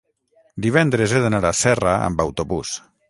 Divendres he d'anar a Serra amb autobús.